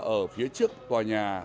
ở phía trước tòa nhà